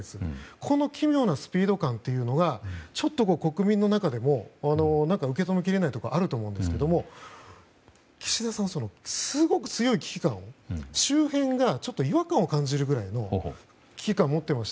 この奇妙なスピード感というのがちょっと国民の中でも受け止めきれないところはあると思いますが岸田さんはすごく強い危機感を周辺がちょっと違和感を感じるぐらいの危機感を持っていて。